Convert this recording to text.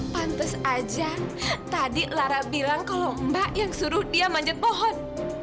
pantes aja tadi lara bilang kalau mbak yang suruh dia manjat pohon